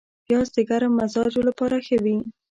پیاز د ګرم مزاجو لپاره ښه وي